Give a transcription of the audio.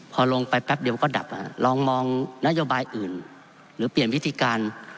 พอลงไปแป๊บเดียวก็ดับลองมองนโยบายอื่นหรือเปลี่ยนวิธีการ